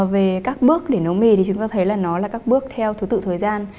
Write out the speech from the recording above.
về các bước để nấu mì thì chúng ta thấy là nó là các bước theo thứ tự thời gian